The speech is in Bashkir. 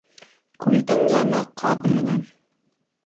Күлдең йәме ҡаҙ менән